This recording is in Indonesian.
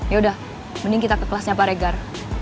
yaudah mending kita ke kelasnya pak regar